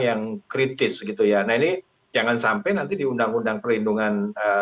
yang kritis gitu ya nah ini jangan sampai nanti di undang undang perlindungan